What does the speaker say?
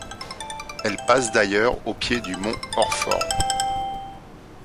Elle passe d'ailleurs au pied du Mont Orford.